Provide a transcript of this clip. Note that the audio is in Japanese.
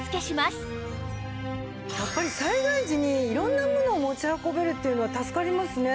やっぱり災害時に色んなものを持ち運べるというのは助かりますね。